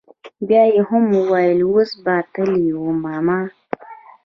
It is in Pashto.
بيا يې هم وويل اوس به تلي وي ماما.